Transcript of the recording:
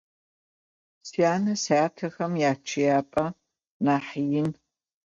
Syane - syatexem yaççıyap'e nah yin.